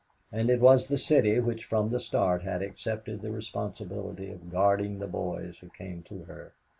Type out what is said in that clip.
And it was the City which from the start had accepted the responsibility of guarding the boys who came to her.